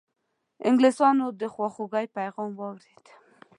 انګلیسیانو د خواخوږی پیغام واورېد.